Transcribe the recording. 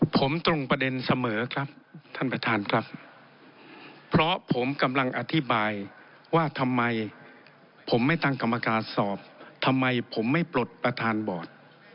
ผมตรงประเด็นเสมอครับท่านประธานครับเพราะผมกำลังอธิบายว่าทำไมผมไม่ตั้งกรรมการสอบทำไมผมไม่ปลดประธานบอร์ด